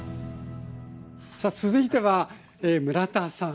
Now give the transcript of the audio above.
さあ続いては村田さん